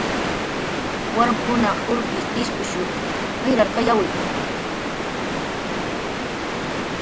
Warmkunaq urkist ishpush jayrarqayawi